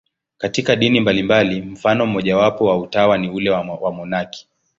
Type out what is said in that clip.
Katika dini mbalimbali, mfano mmojawapo wa utawa ni ule wa wamonaki.